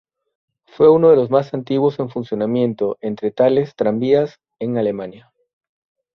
Fue uno de los más antiguos en funcionamiento entre tales tranvías en Alemania.